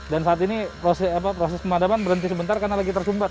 dan saat ini proses pemadaman berhenti sebentar karena lagi tersumbat